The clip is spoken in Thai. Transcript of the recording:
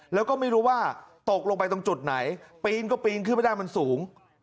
แล้วก็ไม่รู้ว่าตกลงไปตรงจุดไหนปีนก็ปีนขึ้นไม่ได้มันสูง